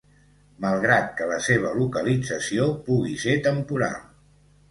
Malgrat que la seva localització pugui ser temporal.